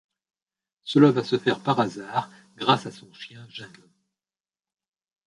Cela va se faire par hasard grâce à son chien Jingles.